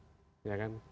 tidak bisa cuci tangan ya